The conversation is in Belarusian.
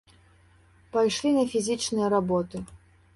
Пайшлі на фізічныя работы.